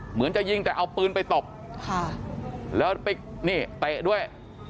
เหมือนจะยิงแต่เอาปืนไปตบแล้วไปนี่เตะด้วย